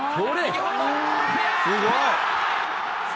すごい。